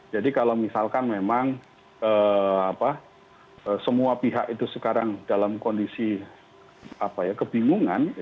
jadi kalau misalkan memang semua pihak itu sekarang dalam kondisi kebingungan